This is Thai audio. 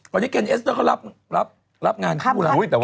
ตอนนี้เคนเอสเตอร์เขารับงานคู่แล้ว